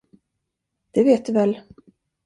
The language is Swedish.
Det vet du väl?